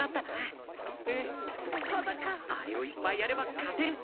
あれをいっぱいやれば勝てる！